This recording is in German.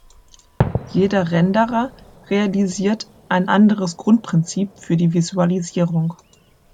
Jeder Renderer realisiert ein anderes Grundprinzip für die Visualisierung.